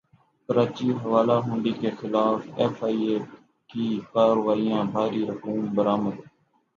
کراچی حوالہ ہنڈی کیخلاف ایف ائی اے کی کارروائیاں بھاری رقوم برامد